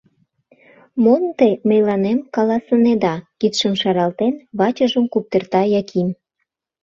— Мом те мейланем каласынеда, — кидшым шаралтен, вачыжым куптырта Яким.